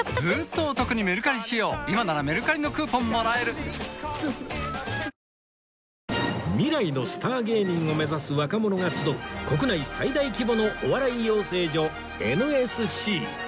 アサヒの緑茶「颯」未来のスター芸人を目指す若者が集う国内最大規模のお笑い養成所 ＮＳＣ